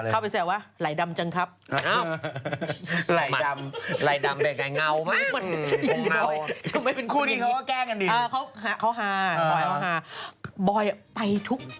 ไหล่ดำไหล่ดำแดงเงามาก